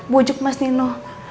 bujuk mas nino